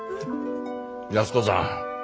安子さん。